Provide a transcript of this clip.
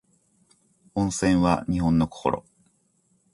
温泉は日本の心